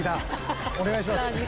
お願いします。